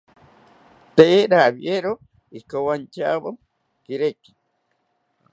Tee rawiero ikowantyawo kireki